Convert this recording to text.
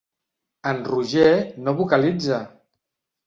En Roger no vocalitza!